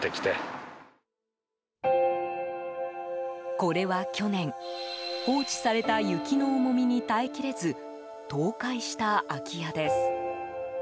これは去年、放置された雪の重みに耐えきれず倒壊した空き家です。